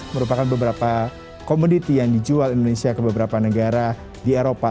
merupakan beberapa komoditi yang dijual indonesia ke beberapa negara di eropa